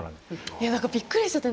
いやだからびっくりしちゃって。